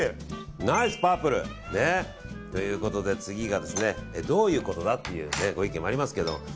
ナイスパープル！ということで次がどういうことだ？っていうご意見もありますけども。